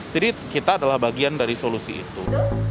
jadi kita adalah bagian dari solusi itu